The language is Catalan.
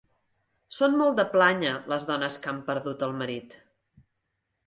Són molt de plànyer les dones que han perdut el marit.